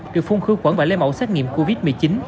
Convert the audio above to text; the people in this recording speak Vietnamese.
được phun khứa quẩn và lấy mẫu xét nghiệm covid một mươi chín